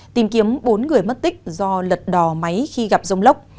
tìm kiếm bốn người mất tích do lật đò máy khi gặp rông lốc